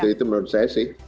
itu menurut saya sih